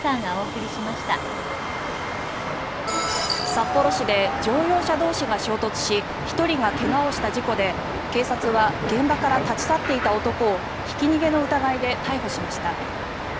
札幌市で乗用車同士が衝突し１人が怪我をした事故で警察は現場から立ち去っていた男をひき逃げの疑いで逮捕しました。